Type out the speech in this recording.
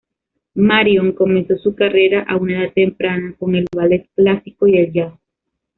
Marion comenzó su carrera a una edad temprana con el ballet clásico y jazz.